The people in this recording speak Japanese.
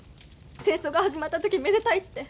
戦争が始まった時めでたいって。